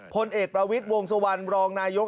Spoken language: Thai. พลเอกประวิทย์วงสุวรรณรองนายก